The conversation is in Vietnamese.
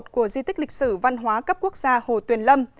của di tích lịch sử văn hóa cấp quốc gia hồ tuyền lâm